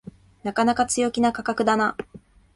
なかなか強気な価格だな